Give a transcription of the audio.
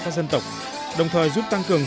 các dân tộc đồng thời giúp tăng cường